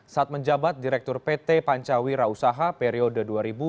saat menjabat direktur pt pancawi rausaha periode dua ribu dua ribu sepuluh